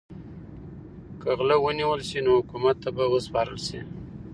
که غله ونیول شي نو حکومت ته به وسپارل شي.